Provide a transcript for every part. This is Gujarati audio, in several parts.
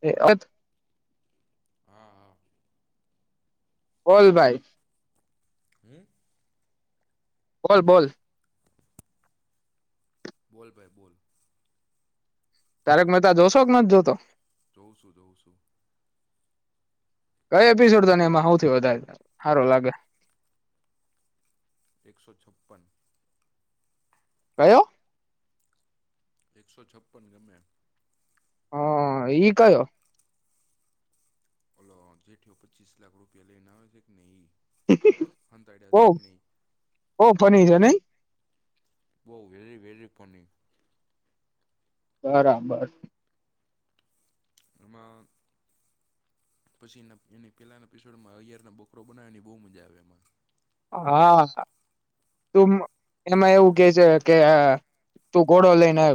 એ અ [unintelligible] હા હા બોલ ભાઈ [unintelligible] બોલ બોલ બોલ ભાઈ બોલ તારેકમેતા જોશો કે નથી જોતો [inaudible] કયો એપિસોડને એમાં સૌથી વધારે સારો લાગે એકસો છપ્પન કયો એકસો છપ્પન ગમે. હા ઈ કયો ઓલો જેઠ પચીસ લાખ રૂપિયા લઈ ને આવે છે કે ને એ ઓ ઓ ફની છે નહી ઓ વલી વલી ફની બરાબર એ પછી એની પેલા એપિસોડમાં અયારના બોકરો બનાવવાની બહુ મજા આવે એમાં હા તું એમાં એવું કે છે કે તું ઘોડો લઈને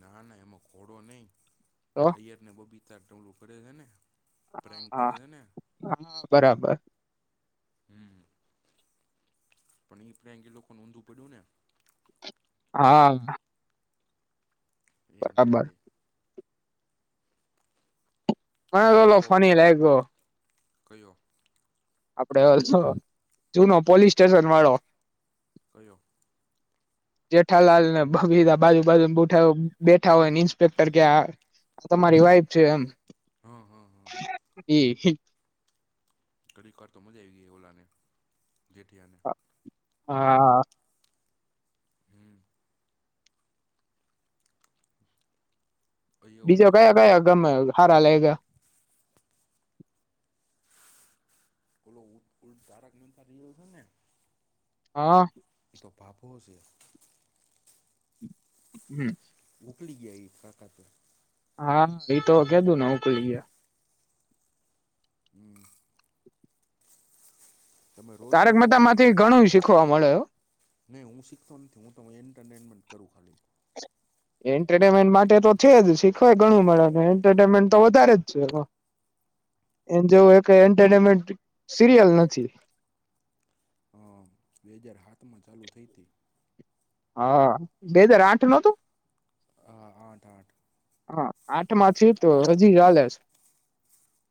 ના ના એમાં ધોડો નઈ તો અયરને બબી તટ લુકરે છે ને પ્રેન્ક હા કરે છે ને હા હા બરાબર હમ પણ એ લોકો નોંધું પડ્યું ને હા એમ છે બરાબર તે ક તોલો ફની લ ગ કઓ આપડે ઓો જુનો પોલીસ સ્ટેશન વાળો કઓ જેઠાલાલનેીધા બાજુ બાજુ બઠ બેઠા હોય ને ઇન્સ્પેક્ટર કે તમારી વાઈફ છે એમ હા હા હા [inaudible] એ ઘડી વાર તો મજા આવી ગઈ ઓલા ને જેથી હા હમ એ બીજો ઓલો કયા કયા ગમે હાર લેગ ઓલો તારક મતા રલ છે ને હા એ તો ભાવો છે હમ મોકલી ગયા એ કાકાત હા એતો કધું ને ઉકલી ગયા હમ તમે રોજ તારક જોવો મતા ભાઈ માંથી ઘણું ખવા મળે નહી હું શીખતો નથી હું ત એન્ટરટેનમેન્ટ કરું ખાલી એન્ટરટેનમેન્ટ માટે તો છે જ શીખવાય ઘણું મળે એન્ટરટેનમેન્ટ તો વધારે જ છે એ જેવું એન્ટરટેનમેન્ટ સિરિયલ નથી અ બે હજાર સાત માં ચાલુ થઈ હતી હા બે હાજાર આઠ નો તું હા આઠ આઠ હા આઠમાંથી તો હજી ચાલે છે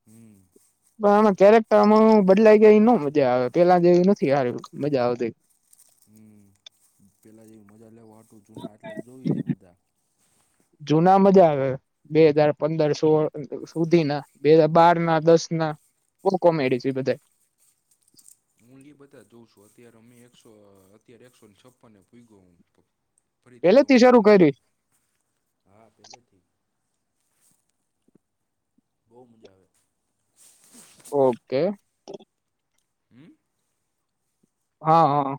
હમ પણ ક્યારેક માં બદલાઈ ગયા એ ન મજા આવે પેલા જેવી નથી સાર મજા આવતી હમ પેલા જેવી મજા લેવા હત જૂના એટલે જોવી છે બધા જૂના મજા આવે બે હજાર પંદર સોળ સુધી ના બે હજ બાર ના દસ ના બ કોમેડી છે બધા હું એ બધા જોઉં છું અત્યારે અમે એકસો અત્યારે એકસોને છપ્પન ભ ગયો હું ફરીથી પેલેથી જોવાનું શરૂ ચાલુ કરી હા પેલેથી બહુ મજા આવે ઓકે હમ હા હા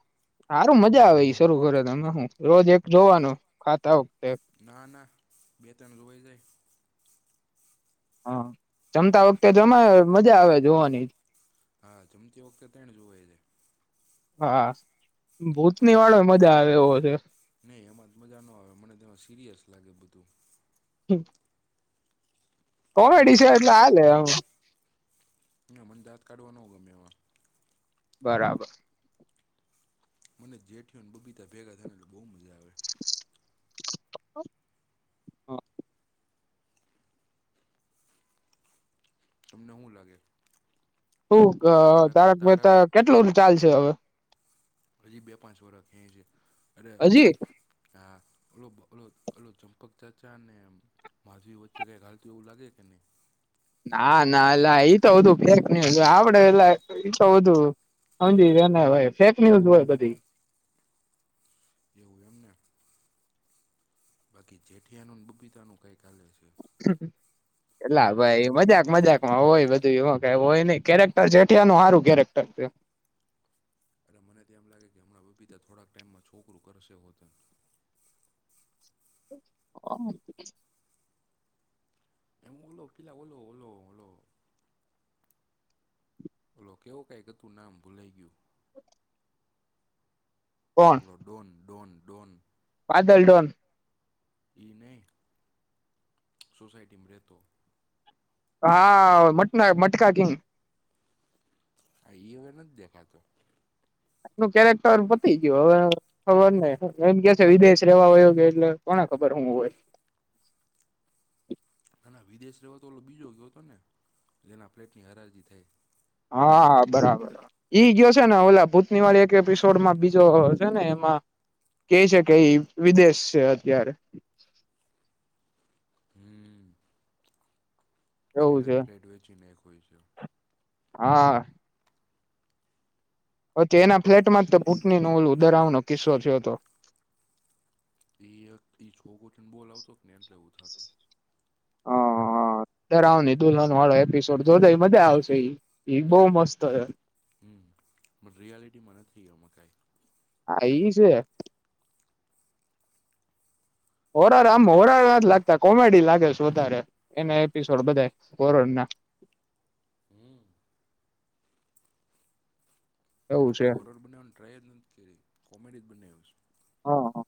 સારું મજા આવે શરૂ કર તમે હું રોજ એક જોવાનું ખાતા હો ના ના બેતન રઈ જાય હા જમતા વખતે જમાય મજા આવે જોવાની હા જમતી વખતે [unintelligible] છે હા ભૂતની વાળો મજા આવે એવો છે નહી એમાં મજા ન આવે મને તેમાં સિરિયસ લાગે બધું [inaudible] મને કોમેડી દાંત છે જ એટલે આલેે એમ ના મને દાત કાઢવા ન ગમે એમાં બરાબર મને જેઠયોને બબીતા ભેગા થય ને એટલે બો મજા આવે [inaudible] તમને હું લાગે શું ક તારક મહેતા કેટલું ચાલ સે હવે હજી બે પાંચ વરહ ખેચે અરે હજી [unintelligible] [inaudible] ના ના એલા તો બધુ ફેક ન્યુઝ હો આપડે એ તો બધુ સમજી ફેક ન્યુઝ હોય બધી એવું એમને બાકી જેઠિયાનું બુબીતાનું કઈક એટલા બબીતાને ભાઈ મજાક મજાક માં હોય બધ [unintelligible] કેરેક્ટર જેઠિયાનું સારું કેરેક્ટરું છે એટલે મને તો એમ લાગે કે હમણાં બબીતા થોડાક ટાઈમમાં છોકરું કરશે હોત [inaudible] [unintelligible] ઓલો કેવું કઈ કે તું નામ ભૂલાઈ ગયું કોણ ઓલો ડોન ડોન ડોન બાદલડોન એ નહી સોસાઈટીમાં રહેતો હા મટના મટકા કિંગ હ ઈ હવે નથી દેખાતો એનું કેરેક્ટર પતી ગયું હવે ખબર નઈ એમ કે વિદેશ રેવા હોયો કે એટલે કોને ખબર હું હોય આના વિદેશ રવાતો ઓલો બીજો ગયો હતો ને જેના ફ્લેટ ની હરાજી થાય હા બરાબર ઈ ગયો છે ને ઓલા ભૂતની વાળી એક એપિસોડમાં બીજો છે ને એમાં કે છે કે વિદેશ છે અત્યારે હમ એ એવું છે [unintelligible] નાય ખો [inaudible] હા પચ્છી એના ફ્લેટમાં [unintelligible] દરાવનો કિસ્સો થયો હતો [unintelligible] આવતો ને એટલે એવું થતું હ [unintelligible] દુલ્હનો વાળો એપિસોડ જો જે મજા આવશે બો મસ્ત હમ પણ રિયાલિટી માં નથી એમાં કઈ હા ઈ છે ત્યારે [unintelligible] કોમેડી લાગે છે વધારે એના એપિસોડ બધ કોરોડ ના હમ મે એ એવું છે લોકોએ હોરર બનાવવાની ટ્રાય જ નથી કરી કોમેડી જ બનાવ્યું છે હા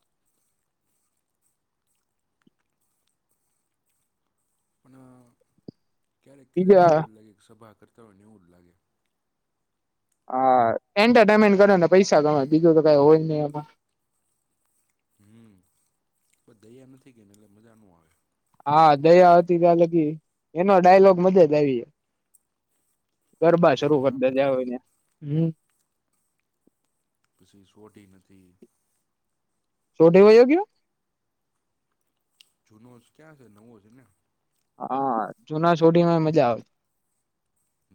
અને ક્યારેક ક્યારેક બીજા એમ જ લાગે સભા કરતી તો નવું જ લાગે હા એન્ટરટેનમેન્ટ કરે ને પૈસા ગમે બીજું તો કઈ હોય નહી એમાં હમ બદૈયા નથી કેને એટલે મજા ન આવે હા દયા હતી ત્યા લગી એનો ડાયલોગ મજે જ આવી ગરબા હે શરૂ મા કરતા જયા હોય માતાજી ત્યા હમ પછી સોઢી નથી સોઢી વયયો ગયો જૂનો જ ક્યાં છે નવો છે ને હા જુના સોઢીમાં મજા આવે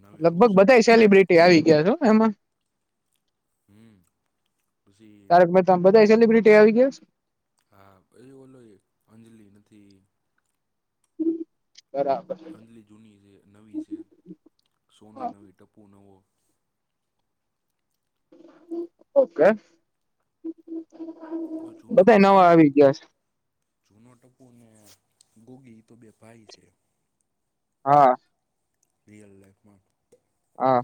નવી લગભગ રોશન બધા છે સેલિબ્રિટી આવી ગયા છો એમાં હમ પછી તારક મહેતા બધા સેલિબ્રિટી તે આવીયા હા એ બોલોય અંજલી હતી છે બરાબર અંજલી જૂની છે નવી છે સોનું નવી ટપુ નવો ઓકે તો જૂનો બધા ટપુ નવા ને આ આવી તો ગયા છે જૂનો ટપુ ને ગોગી તો બે ભાઈ છે હા રિયલ લાઈફમાં હા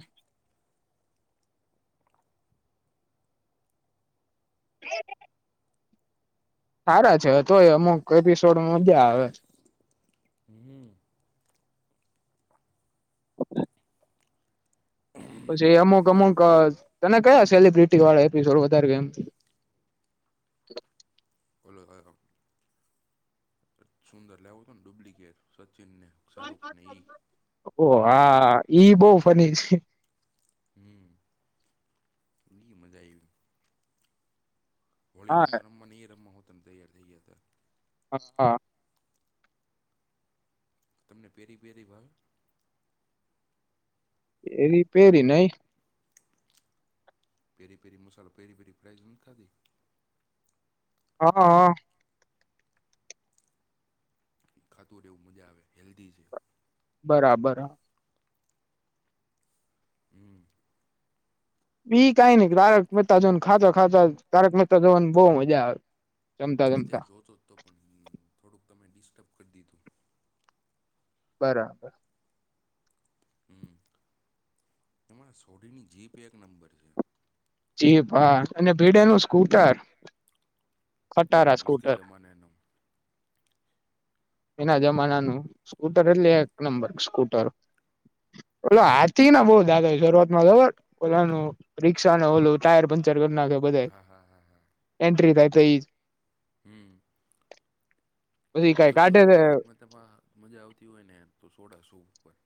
[inaudible] સારા છે તોય અમુક એપિસોડ મજા આવે હમ [inaudible] પછી એ અમુક અમુક તને કયા સેલિબ્રિટી વાળા એપિસોડ વધારે ઓલો હય હો સુંદર લેવું ને ડુપ્લિકેટ સચિનને શાહરૂખને ઈ ઓ હા હા ઈ બહુ ફની છે હમ ઓલી મજા આવી હોળી નો હા તો રમ નની રમ હોત ખમ તૈયાર થઈ જ હતા હ હા તમને પેરી પેરી ભાવે પેરી પેરી નઈ પેરી ફેરી મસાલો પેરી પહેલી પ્રાયઝ નથી ખાધી? હક. ખાતું રેવું, મજા આવે, હેલ્ધી છે. બરાબર. હમ્મ. બી કઈ નઈ તારક મહેતા જોન ખાતો ખાતા તારક મહેતા જોવન બવ મજા આવે. જમતા જમતા અત્યારે જોતો જ તો પણ થોડુંક તમે ડિસ્ટર્બ કરી દીધું. બરાબર. હમ્મ અમના સોડીની જીપ એક નંબર છે. જીપ હા અને ભીડે નું સ્કૂટર હમ્મ ખટારા ઉસકે સ્કૂટર જમાનેનું એના જમાનાનું સ્કૂટર એટલે એક નંબર સ્કૂટર ઓલો હાથી ના બઉ દાંત આવે શરૂઆતમાં ખબર ઓલાનું રિક ક્ષા નો ઓલુ ટાયર પંચર ઢોર નાંખે બધાય હા હા એન્ટ્રી થાય [unintelligible] હમ્મ પછી કઈ આવતી હોય કાઢે તો છે તારકમાંતામાં મજા આવતી હોય ને તો સોડાશું ઉપર.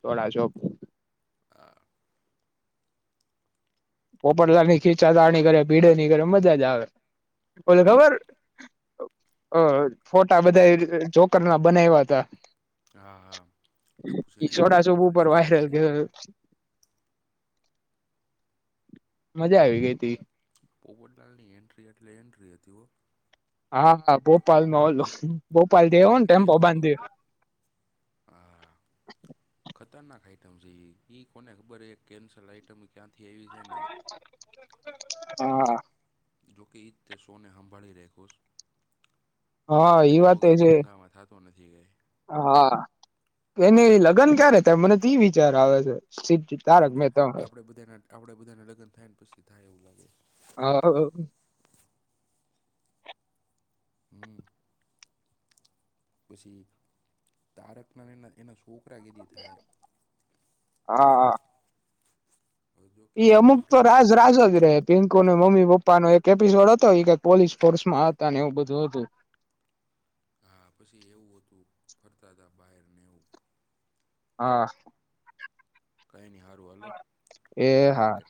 સોડા શોપ આ પોપટલાલ ની ખીચાતાની કરે ભીડેની કરે મજાજ આવે ઓલી ખબર અહ ફોટા બધાઈ જોકર ના બનાયવાતા હા હા ટપુ સેના એ નવો સોડાસુપ ફોન ઉપર લીધો વાયરલ ત્યારે મજા આવી ગઈ તી પોપટલાલ ની એન્ટ્રી એટલે એન્ટ્રી હતી ઓ. હા અહ ભોપાલમાં ઓલો ભોપાલ દે હો ને ભોપાલથી ટેમ્પો આવ્યો બાંધ હતો દે હા ખતરનાક આઈટમ છે ઈ કોને ખબર હે એક કેન્સલ આઈટમ ક્યાં [inaudible] હા. જોકે ઈદ તે શોને સંંભાળી રાયખોસ. હા એ વાત તો છે. તો મે તી આય. હા, એને લગ્ન ક્યારે તમે તે વિચાર આવે છે‌. આપ આપણેે બધાના આપડે બધાના લગ્ન થાયને પછી થાય એવું લાગે. હા હમ્મ. પછી, તારકના એના સ છોકરા કેેદી થાય? હવે જોકે એ હવે અમુક તો ગૌઢા થઈ રાજ ગયા રાજ જ રહે પિંકો ને મમ્મી પપ્પ પા નો એક એપિસોડ હતો પોલીસ ફોર્સમાં હતા ને એવું બધું હતું. હા પછી એવું બધું ફરતા હતા બહારને એવું. હા કઈ નહી હારું હાલો [unintelligible] એ મેળા હા ક્યારેક